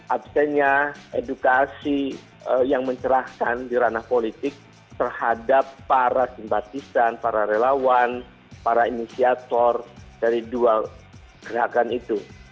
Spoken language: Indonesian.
absennya edukasi yang mencerahkan di ranah politik terhadap para simpatisan para relawan para inisiator dari dua gerakan itu